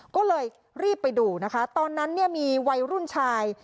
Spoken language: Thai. ก็เลยรีบไปดูนะคะตอนนั้นเนี่ยมีวัยรุ่นชาย